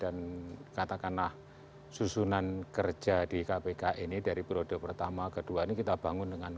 dan katakanlah susunan kerja di kpk ini dari periode pertama ke dua ini kita bangun dengan